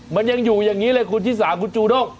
มันยังอยู่อย่างนี้เลยคุณชิสาคุณจูด้ง